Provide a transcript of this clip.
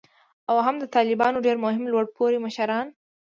او هم د طالبانو ډیر مهم لوړ پوړي مشران